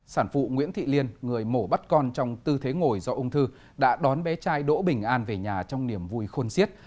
sản phụ nguyễn thị liên người mổ bắt con trong tư thế ngồi do ung thư đã đón bé trai đỗ bình an về nhà trong niềm vui khôn siết